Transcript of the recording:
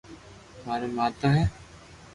ماري ماتا ھتي